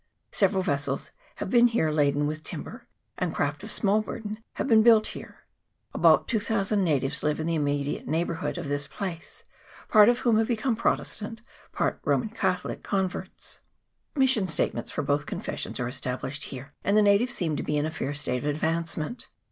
Several ves sels have here been laden with timber, and craft of small burden have been built here. About 2000 natives live in the immediate neighbourhood of this place, part of whom have become Protestant, part Roman Catholic converts. Mission stations for both confessions are established here, and the na tives seem to be in a fair state of advancement.